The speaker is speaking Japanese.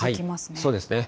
そうですね。